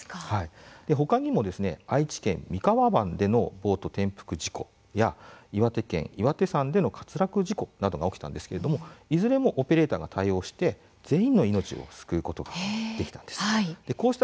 ほかにも、愛知県三河湾のボート転覆事故や岩手県岩手山での滑落事故などが起きましたがいずれも、オペレーターが対応して全員の命を救うことができました。